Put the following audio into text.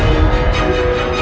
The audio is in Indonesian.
nah pasti siap